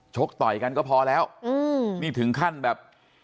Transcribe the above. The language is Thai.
ต่อยกันก็พอแล้วอืมนี่ถึงขั้นแบบ